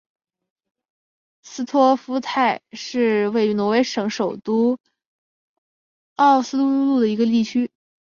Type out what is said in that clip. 斯托夫奈是位于挪威首都奥斯陆的一个地区。